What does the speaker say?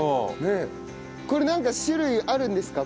これなんか種類あるんですか？